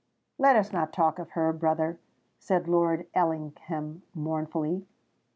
let us not talk of her, brother!" said Lord Ellingham mournfully.